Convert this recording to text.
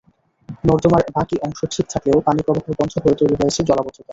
নর্দমার বাকি অংশ ঠিক থাকলেও পানিপ্রবাহ বন্ধ হয়ে তৈরি হয়েছে জলাবদ্ধতা।